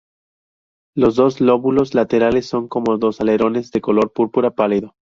Los dos lóbulos laterales son como dos alerones de color púrpura pálido.